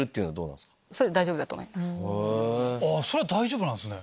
それは大丈夫なんすね。